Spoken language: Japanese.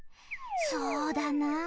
そうだなぁ。